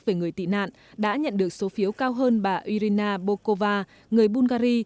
về người tị nạn đã nhận được số phiếu cao hơn bà irina bokova người bungary